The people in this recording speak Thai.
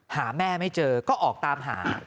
หาแม่ไม่เจอก็ออกตามหา